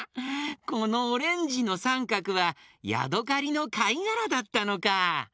このオレンジのさんかくはヤドカリのかいがらだったのか！